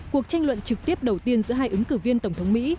cuộc tranh luận trực tiếp đầu tiên giữa hai ứng cử viên tổng thống mỹ